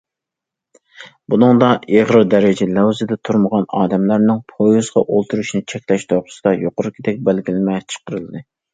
بۇنىڭدا ئېغىر دەرىجىدە لەۋزىدە تۇرمىغان ئادەملەرنىڭ پويىزغا ئولتۇرۇشىنى چەكلەش توغرىسىدا يۇقىرىقىدەك بەلگىلىمە چىقىرىلدى.